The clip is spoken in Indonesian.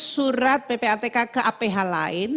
surat ppatk ke aph lain